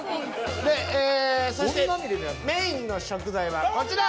でええそしてメインの食材はこちら！